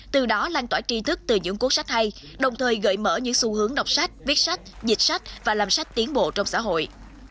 từ đó lan tỏa tri thức từ những cuốn sách hay đồng thời gợi mở những xu hướng đọc sách viết sách dịch sách và làm sách tiến bộ trong xã hội